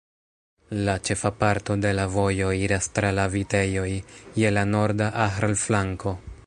La ĉefa parto de la vojo iras tra la vitejoj je la norda Ahr-flanko.